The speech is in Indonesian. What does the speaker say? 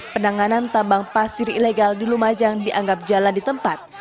penanganan tambang pasir ilegal di lumajang dianggap jalan di tempat